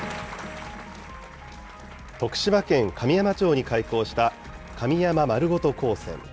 徳島県神山町に開校した、神山まるごと高専。